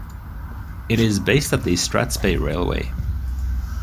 It is based at the Strathspey Railway.